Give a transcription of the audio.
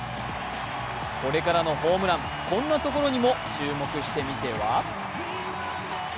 これからのホームラン、こんなところにも注目してみては。